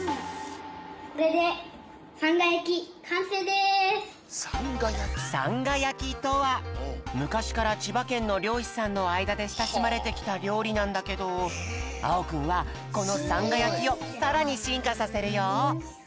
これでさんがやきとはむかしからちばけんのりょうしさんのあいだでしたしまれてきたりょうりなんだけどあおくんはこのさんがやきをさらにしんかさせるよ。